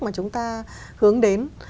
mà chúng ta hướng đến